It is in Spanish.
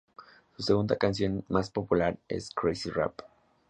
Su segunda canción más popular es "Crazy Rap".